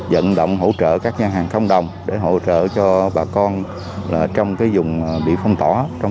dẫn động hỗ trợ các nhà hàng không đồng để hỗ trợ cho bà con ở trong cái vùng bị phong tỏa trong